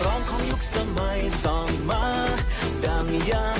บอกว่าหับอีกรอบได้ไหม